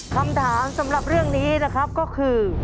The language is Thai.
คำถามสำหรับเรื่องนี้นะครับก็คือ